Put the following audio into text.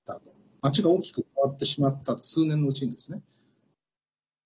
まちが大きく変わってしまった数年のうちにですね。